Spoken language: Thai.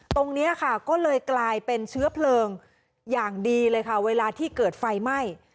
ตรงนี้ค่ะก็เลยกลายเป็นเชื้อเพลิงอย่างดีเลยค่ะเวลาที่เกิดไฟไหม้